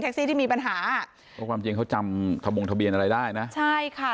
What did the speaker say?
ซี่ที่มีปัญหาเพราะความจริงเขาจำทะบงทะเบียนอะไรได้นะใช่ค่ะ